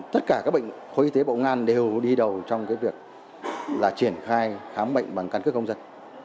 tất cả các bệnh khối y tế bộng an đều đi đầu trong cái việc là triển khai khám bệnh bằng căn cứ công dân